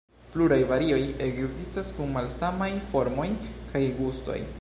Pluraj varioj ekzistas kun malsamaj formoj kaj gustoj.